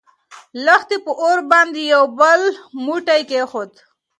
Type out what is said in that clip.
لښتې په اور باندې يو بل بوټی کېښود.